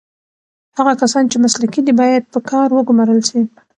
هغه کسان چې مسلکي دي باید په کار وګمـارل سي.